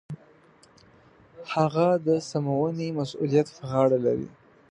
هغه د سمونې مسوولیت په غاړه لري.